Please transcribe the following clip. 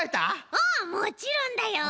うんもちろんだよ！